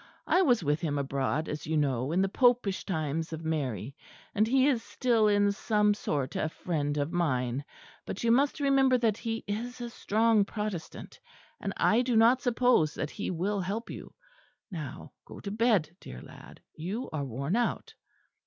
I was with him abroad as you know, in the popish times of Mary: and he is still in some sort a friend of mine but you must remember that he is a strong Protestant; and I do not suppose that he will help you. Now go to bed, dear lad; you are worn out."